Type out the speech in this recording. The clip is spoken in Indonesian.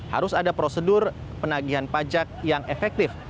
harus ada prosedur penagihan pajak yang efektif